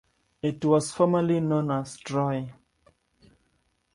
It was formerly known as Troy.